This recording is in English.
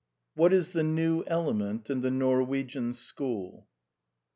WHAT IS THE NEW ELEMENT IN THE NORWEGIAN SCHOOL?